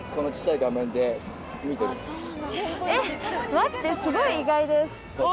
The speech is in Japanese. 待ってすごい意外です。